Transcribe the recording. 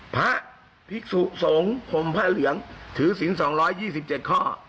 พระภิกษุสงฆ์ผมพระเหลืองถือสิน๒๒๗ข้อ